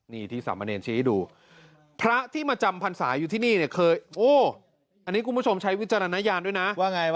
นี่ที่สามเมนียนชี้ให้ดู